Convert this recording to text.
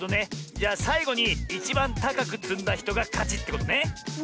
じゃあさいごにいちばんたかくつんだひとがかちってことね！